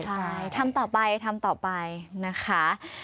ใช่ทำต่อไปทำต่อไปนะคะ